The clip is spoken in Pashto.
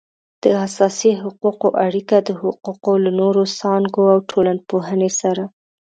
د اساسي حقوقو اړیکه د حقوقو له نورو څانګو او ټولنپوهنې سره